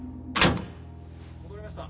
戻りました！